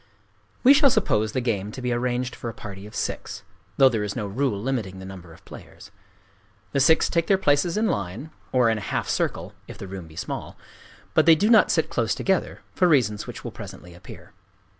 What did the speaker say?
We shall suppose the game to be arranged for a party of six,—though there is no rule limiting the number of players. The six take their places in line, or in a half circle—if the room be small; but they do not sit close together, for reasons which will presently appear.